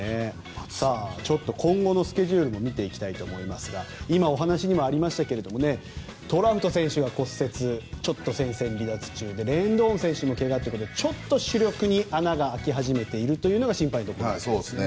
ちょっと今後のスケジュールも見ていきたいと思いますが今、お話にもありましたがトラウト選手が骨折ちょっと戦線離脱中でレンドン選手も怪我ということでちょっと主力に穴が開いているというところが心配なところですね。